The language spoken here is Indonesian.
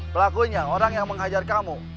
pelakunya orang yang menghajar kamu